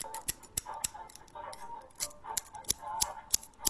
په ښکلیو نجونو چی ستایلی وم کابل نه یمه -